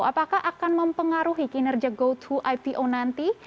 apakah akan mempengaruhi kinerja goto ipo nanti